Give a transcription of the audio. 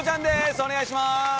お願いします。